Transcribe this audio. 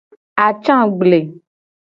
Atsa gble.